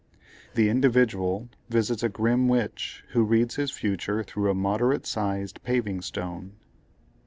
The "Individual" Visits a Grim Witch, who reads his Future through a Moderate Sized Paving Stone.